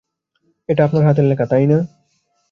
এটা আপনার হাতের লেখা, তাই না?